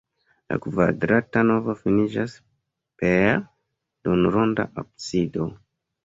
La kvadrata navo finiĝas per duonronda absido.